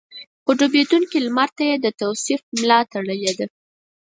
خو ډوبېدونکي لمر ته يې د توصيف ملا تړلې ده.